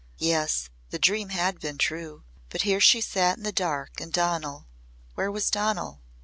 Yes, the dream had been true. But here she sat in the dark and Donal where was Donal?